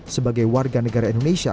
sebagai warga negara indonesia